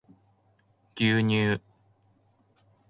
牛乳